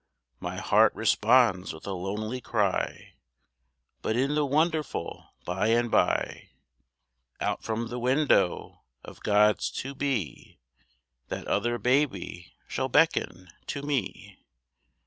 My heart responds with a lonely cry But in the wonderful By and By Out from the window of God's "To Be," That other baby shall beckon to me.